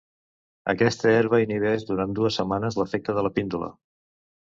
Aquesta herba inhibeix durant dues setmanes l'efecte de la píndola.